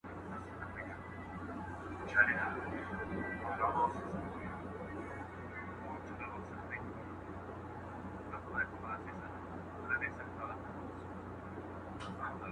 وزیرفتح خان د شاه محمود لارښوونه تعقیب کړه.